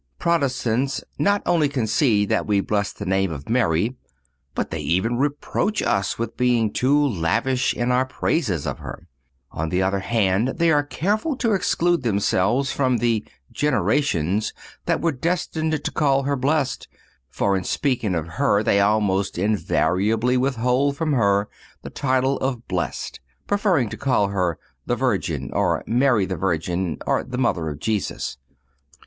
Protestants not only concede that we bless the name of Mary, but they even reproach us with being too lavish in our praises of her. On the other hand, they are careful to exclude themselves from the "generations" that were destined to call her blessed, for, in speaking of her, they almost invariably withhold from her the title of blessed, prefering to call her the Virgin, or Mary the Virgin, or the Mother of Jesus.